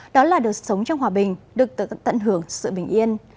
đó là được sống trong hòa bình được tận hưởng sự bình yên